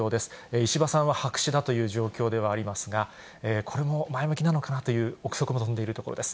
石破さんは白紙だという状況ではありますが、これも前向きなのかなという憶測も飛んでいるところです。